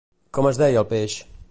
Com es deia el peix?